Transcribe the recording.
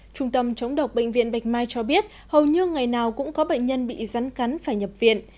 trung tâm chống độc bệnh viện bạch mai cho biết hầu như ngày nào cũng có bệnh nhân bị rắn cắn phải nhập viện